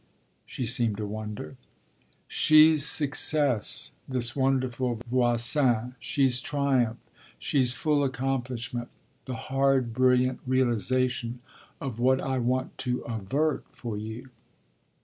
she seemed to wonder. "She's success, this wonderful Voisin, she's triumph, she's full accomplishment: the hard, brilliant realisation of what I want to avert for you."